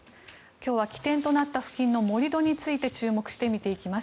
今日は起点となった付近の盛り土について注目して、見ていきます。